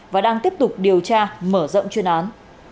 và đang tiếp tục điều tra mở rộng chuyên án